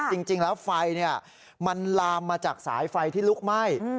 จริงแล้วไฟมันลามมาจากสายไฟที่ลุกไหม้